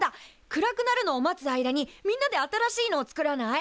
暗くなるのを待つ間にみんなで新しいのを作らない？